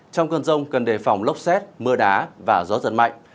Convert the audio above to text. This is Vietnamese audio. trong cơn rông cần đề phòng lốc xét mưa đá và gió giật mạnh